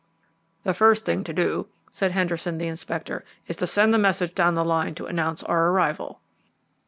"The first thing to do," said Henderson the Inspector, "is to send a message down the line to announce our arrival."